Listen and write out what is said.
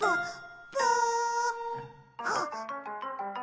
あっ！